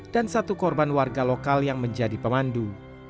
dan satu korban warga lokal yang menjadi pemandu